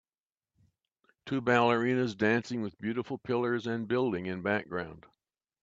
Two ballerinas dancing with beautiful pillars and building in background